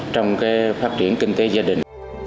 trong phát triển kinh tế gia đình